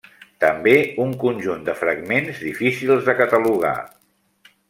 També un conjunt de fragments difícils de catalogar.